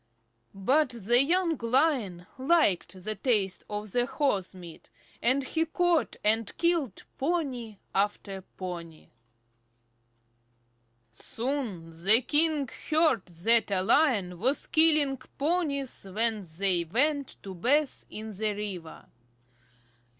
But the young Lion liked the taste of horse meat, and he caught and killed pony after pony. Soon the king heard that a Lion was killing the ponies when they went to bathe in the river.